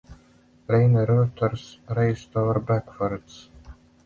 Rainer Reuter raced over backwards.